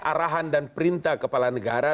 arahan dan perintah kepala negara